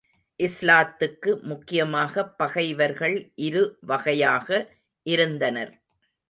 இஸ்லாத்துக்கு முக்கியமாகப் பகைவர்கள் இரு வகையாக இருந்தனர்.